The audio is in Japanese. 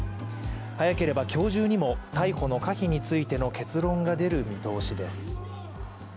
早ければ今日中にも逮捕の可否についての結論が出る見通しです。